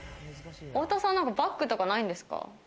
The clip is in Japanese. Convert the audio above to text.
太田さん、なんかバッグとかないんですか？